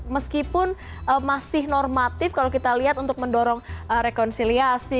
meskipun masih normatif kalau kita lihat untuk mendorong rekonsiliasi